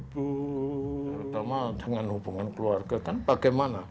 terutama dengan hubungan keluarga kan bagaimana